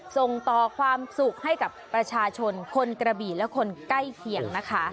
ส่งต่อความสุขให้กับประชาชนคนกระบี่และคนใกล้เคียงนะคะ